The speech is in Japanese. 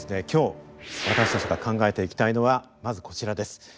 今日私たちが考えていきたいのはまずこちらです。